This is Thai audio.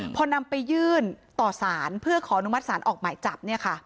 พอนำไปยื่นต่อสารเพื่อขออนุมัติศาลออกหมายจับ